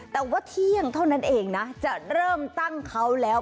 แต่ว่าเที่ยงเท่านั้นเองนะจะเริ่มตั้งเขาแล้ว